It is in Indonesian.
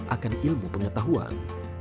akan ilmu pengetahuan